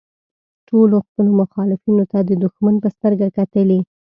ټولو خپلو مخالفینو ته د دوښمن په سترګه کتلي.